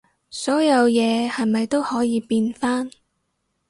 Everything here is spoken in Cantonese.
所有嘢係咪都可以變返